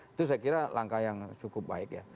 itu saya kira langkah yang cukup baik ya